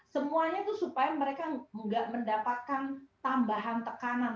semuanya itu supaya mereka nggak mendapatkan tambahan tekanan